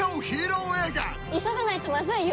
急がないとまずいよ！